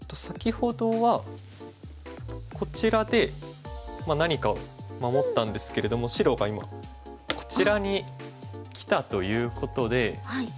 先ほどはこちらで何かを守ったんですけれども白が今こちらにきたということで。